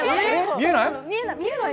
見えない？